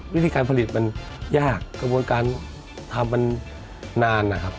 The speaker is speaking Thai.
วิธีการผลิตมันยากกระบวนการทำมันนานนะครับ